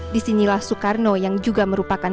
disinilah soekarno yang juga merupakan